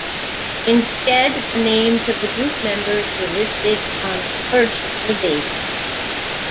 Instead, the names of the group members were listed on the first release.